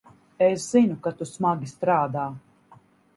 Es zinu, ka tu smagi strādā.